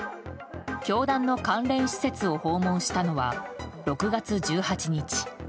教団の関連施設を訪問したのは６月１８日。